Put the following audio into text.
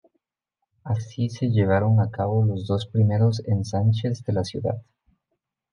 Así se llevaron a cabo los dos primeros ensanches de la ciudad.